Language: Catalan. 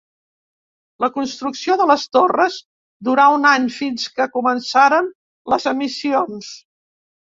La construcció de les torres durà un any, fins que començaren les emissions.